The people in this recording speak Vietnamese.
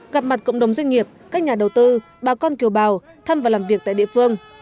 gặp mặt cộng đồng doanh nghiệp các nhà đầu tư bà con kiều bào thăm và làm việc tại địa phương